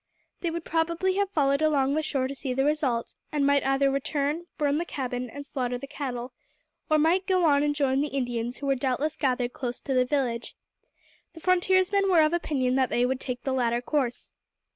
They would probably have followed along the shore to see the result, and might either return, burn the cabin, and slaughter the cattle, or might go on and join the Indians who were doubtless gathered close to the village. The frontiersmen were of opinion that they would take the latter course.